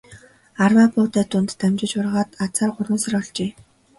Арвай буудай дунд амжиж ургаад азаар гурван сар болжээ.